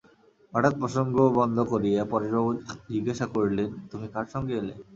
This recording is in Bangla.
হঠাৎ এই প্রসঙ্গ বন্ধ করিয়া পরেশবাবু জিজ্ঞাসা করিয়া উঠিলেন, তুমি কার সঙ্গে এলে?